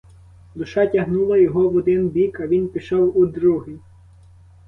Душа тягнула його в один бік, а він пішов у другий.